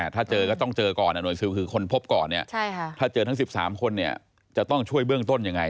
ถ้าเจอก็ต้องเจอก่อนหน่วยซิลคือคนพบก่อนเนี่ยถ้าเจอทั้ง๑๓คนเนี่ยจะต้องช่วยเบื้องต้นยังไง